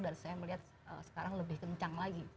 dan saya melihat sekarang lebih kencang lagi